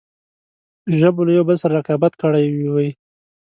ژبو له یوه بل سره رقابت کړی وي.